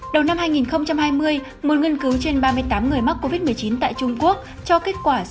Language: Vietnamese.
đầu năm hai nghìn hai mươi một nghiên cứu trên ba mươi tám người mắc covid một mươi chín tại trung quốc cho kết quả